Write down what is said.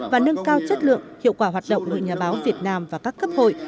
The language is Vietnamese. và nâng cao chất lượng hiệu quả hoạt động hội nhà báo việt nam và các cấp hội